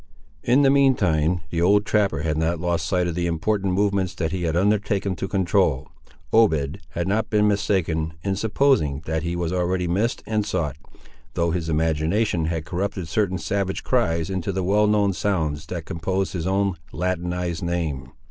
In the mean time, the old trapper had not lost sight of the important movements that he had undertaken to control. Obed had not been mistaken in supposing that he was already missed and sought, though his imagination had corrupted certain savage cries into the well known sounds that composed his own latinized name.